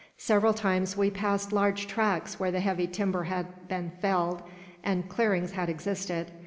Several times we passed large tracts where the heavy timber had been felled, and clearings had existed.